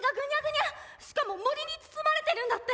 しかも森に包まれてるんだって。